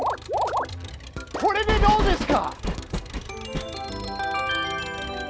これでどうですか！